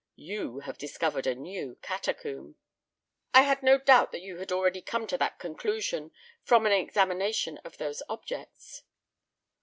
You have discovered a new catacomb." "I had no doubt that you had already come to that conclusion from an examination of these objects."